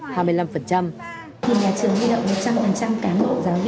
thì nhà trường huy động một trăm linh cán bộ giáo viên